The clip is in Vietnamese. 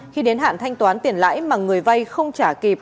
khi đến hạn thanh toán tiền lãi mà người vay không trả kịp